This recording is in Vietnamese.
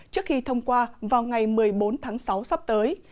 trước khi thông qua vào ngày một mươi bốn tháng sáu sắp tới